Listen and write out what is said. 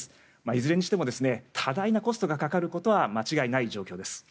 いずれにしても多大なコストがかかることは間違いない状況です。